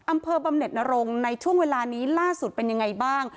อำเภอบำเน็ตนรงค์ในช่วงเวลานี้ล่าสุดเป็นยังไงบ้าง